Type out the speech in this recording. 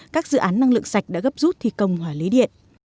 các dự án năng lượng sạch đã gấp rút thì công hòa lấy điện